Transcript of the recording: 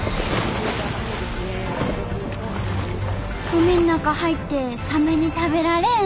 海の中入ってサメに食べられん？